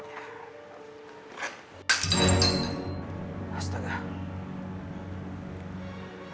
saya yakin laporan ini pasti banyak hasilnya